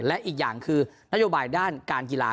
และอีกอย่างคือนโยบายด้านการกีฬา